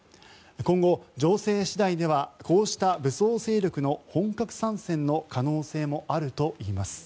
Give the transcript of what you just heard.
今後、情勢次第ではこうした武装勢力の本格参戦の可能性もあるといいます。